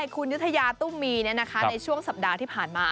คุณยุธยาตุ้มมีในช่วงสัปดาห์ที่ผ่านมา